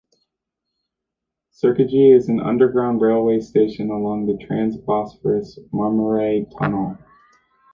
Sirkeci is an underground railway station along the trans-Bosphorus Marmaray tunnel.